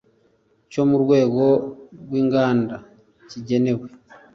cyo mu rwego rw inganda kigenewe